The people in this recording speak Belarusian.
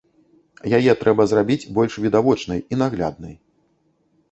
Яе трэба зрабіць больш відавочнай і нагляднай.